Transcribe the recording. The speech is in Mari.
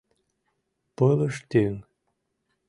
— Пылыштӱҥ.